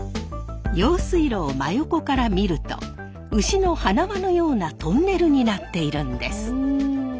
用水路を真横から見ると牛の鼻輪のようなトンネルになっているんです。